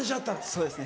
そうですね